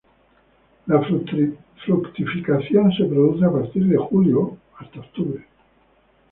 La fructificación se produce a partir de julio hasta octubre.